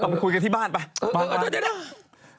ไปคุยกันที่บ้านไป